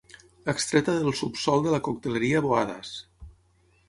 Extreta del subsòl de la cocteleria Boada's.